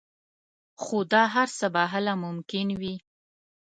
خو دا هر څه به هله ممکن وي